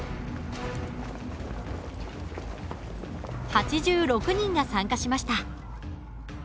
８６人が参加しました。